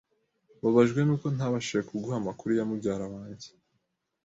Mbabajwe nuko ntabashije kuguha amakuru ya mubyara wanjye.